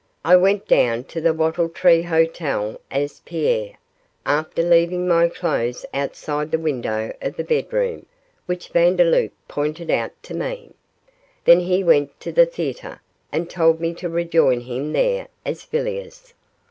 I went down to the Wattle Tree Hotel as Pierre after leaving my clothes outside the window of the bedroom which Vandeloup pointed out to me. Then he went to the theatre and told me to rejoin him there as Villiers.